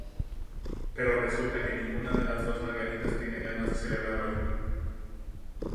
Pero resulta que ninguna de las dos Margaritas tiene ganas de celebrar hoy.